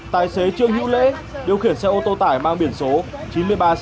tài xế trương hữu lễ điều khiển xe ô tô tải mang biển số chín mươi ba c chín nghìn sáu mươi sáu